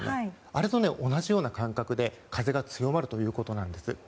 あれと同じような感覚で風が強まるということなんです。